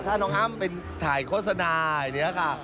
ถ้าน้องอ้ำเป็นถ่ายโฆษณาอย่างนี้ค่ะ